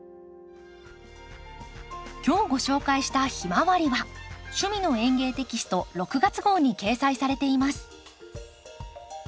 今日ご紹介した「ヒマワリ」は「趣味の園芸」テキスト６月号に掲載されています。